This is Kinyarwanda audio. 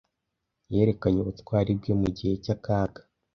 Yerekanye ubutwari bwe mu gihe cy'akaga.